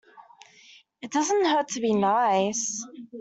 It doesn't hurt to be nice.